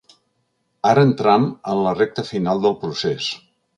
Ara entram en la recta final del procés.